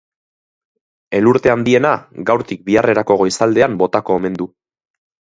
Elurte handiena gaurtik biharrerako goizaldean botako omen du.